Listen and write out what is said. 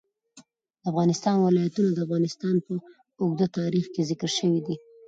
د افغانستان ولايتونه د افغانستان په اوږده تاریخ کې ذکر شوی دی.